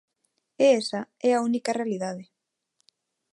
E esa é a única realidade.